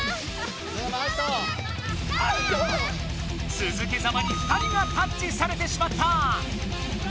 つづけざまに２人がタッチされてしまった！